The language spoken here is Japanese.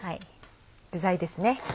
具材ですね。